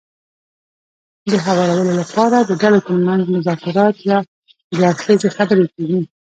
د هوارولو لپاره د ډلو ترمنځ مذاکرات يا دوه اړخیزې خبرې کېږي.